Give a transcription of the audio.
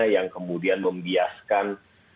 yang kemudian membiaskan